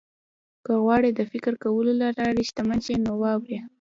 که غواړئ د فکر کولو له لارې شتمن شئ نو واورئ.